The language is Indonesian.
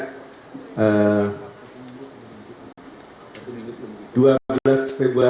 dua minggu kemudian